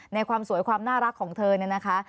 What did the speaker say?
ในความสวยความน่ารักของเธอเนี่ยนะคะ